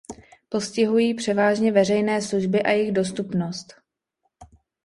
Postihují převážně veřejné služby a jejich dostupnost.